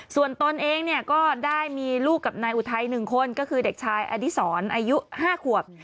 ส่วนตนเองเนี่ยก็ได้มีลูกกับนายอุทัย๑คนก็คือเด็กชายอดิษรอายุ๕ขวบ